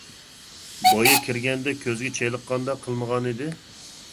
بايا كىرگەندە كۆزگە چېلىققاندەك قىلمىغان ئىدى.